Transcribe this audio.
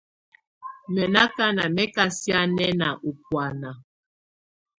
Mɛ̀ nɔ̀ akana mɛ̀ ka sianɛna ɔ̀ bɔ̀ána.